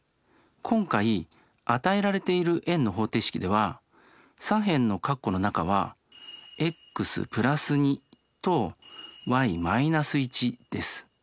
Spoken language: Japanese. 今回与えられている円の方程式では左辺の括弧の中はｘ＋２とｙ−１です。